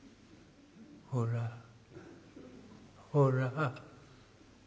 ほらほら」。